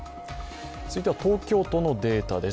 続いては東京都のデータです。